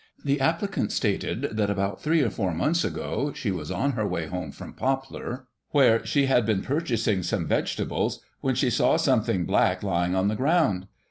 The applicant stated that, about three or four months ago, she was on her way home from Poplar, where she had been purchasing some vegetables, when she saw something black lying on the ground.